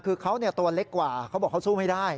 คือเขาตัวเล็กกว่าเขาบอกเขาสู้ไม่ได้